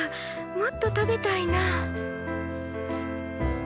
もっと食べたいなあ。